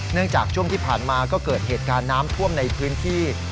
จากช่วงที่ผ่านมาก็เกิดเหตุการณ์น้ำท่วมในพื้นที่